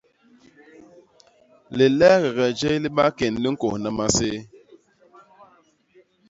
Lileegege jéé li bakén li ñkônha maséé.